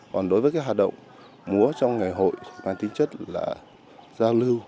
còn đối với các hoạt động múa trong ngày hội thì bài tính chất là giao lưu